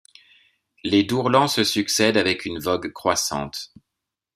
Les Dourlans se succèdent avec une vogue croissante.